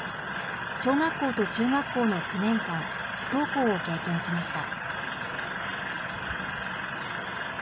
小学校と中学校の９年間、不登校を経験しました。